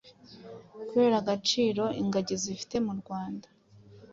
Kubera agaciro ingagi zifite mu Rwanda,